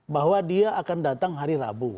bahwa dia akan datang hari rabu